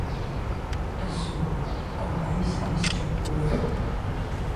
Azure, a Wing sinister Or.